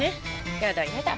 やだやだ。